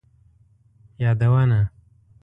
یادونه: